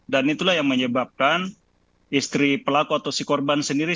dan itulah yang menyebabkan istri pelaku atau si korban sendiri